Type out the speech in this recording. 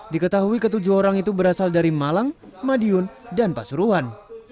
diketahui ketujuh orang itu berasal dari malang madiun dan pasuruan